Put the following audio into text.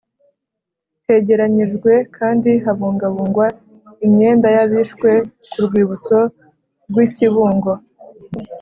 Hegeranyijwe kandi habungabungwa imyenda y’abishwe ku rwibutso rw’i Kibungo